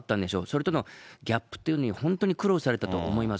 それとのギャップというのに本当に苦労されたと思います。